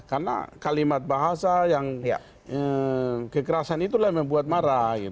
karena kalimat bahasa yang kekerasan itulah yang membuat marah